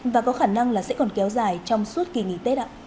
và có khả năng là sẽ còn kéo dài trong suốt kỳ nghỉ tết ạ